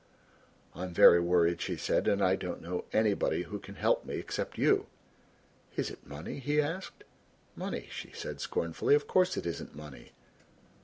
"I am very worried," she said, "and I don't know anybody who can help me except you." "Is it money?" he asked. "Money," she said scornfully, "of course it isn't money.